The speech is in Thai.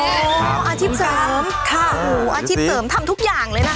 อาชีพเสริมค่ะโอ้โหอาชีพเสริมทำทุกอย่างเลยนะคะ